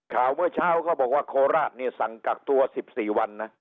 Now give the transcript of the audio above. ข่าวเมื่อเช้าเขาบอกว่าโคราชเนี่ยสั่งกักตัว๑๔วันนะ